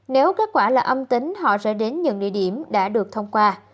nếu kết quả là âm tính họ sẽ đến những địa điểm đã được thông qua